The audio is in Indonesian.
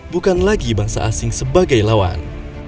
bukan lagi bangsa asing sebagai lawan